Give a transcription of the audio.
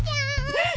えっ！